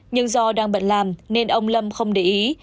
nhưng do đang bận làm nên ông lâm không để ý